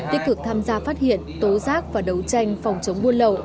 tích cực tham gia phát hiện tố giác và đấu tranh phòng chống buôn lậu